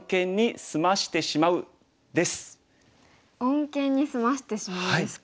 「穏健にすましてしまう」ですか。